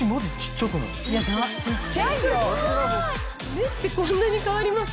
目ってこんなに変わります？